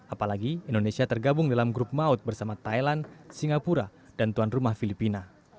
apalagi indonesia tergabung dalam grup maut bersama thailand singapura dan tuan rumah filipina